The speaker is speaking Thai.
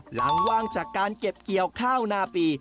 หลังว่างจากการเก็บเกี่ยวข้าวนาปี